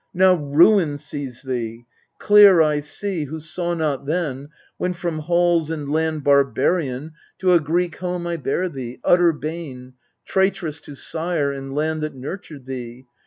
Now ruin seize thee ! clear I see, who saw not Then, when from halls and land barbarian To a Greek home I bare thee, utter bane, Traitress to sire and land that nurtured thee